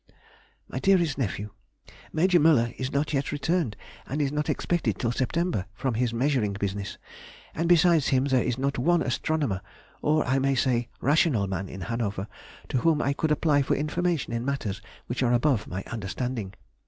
MY DEAREST NEPHEW,— ... Major Müller is not yet returned, and is not expected till September, from his measuring business, and besides him there is not one astronomer, or, I may say, rational man in Hanover to whom I could apply for information in matters which are above my understanding.